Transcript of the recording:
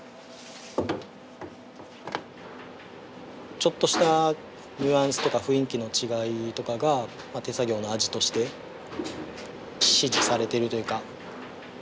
ちょっとしたニュアンスとか雰囲気の違いとかが手作業の味として支持されているというか。